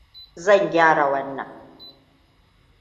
Zan gyara wannan.